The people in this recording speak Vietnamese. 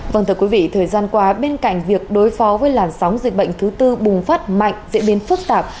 vâng thưa quý vị thời gian qua bên cạnh việc đối phó với làn sóng dịch bệnh thứ tư bùng phát mạnh diễn biến phức tạp